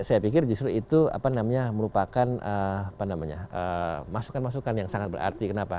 saya pikir justru itu merupakan masukan masukan yang sangat berarti kenapa